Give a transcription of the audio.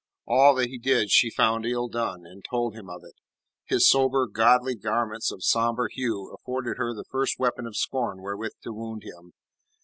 All that he did she found ill done, and told him of it. His sober, godly garments of sombre hue afforded her the first weapon of scorn wherewith to wound him.